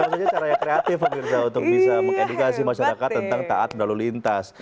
maksudnya caranya kreatif untuk bisa mengedikasi masyarakat tentang taat lalu lintas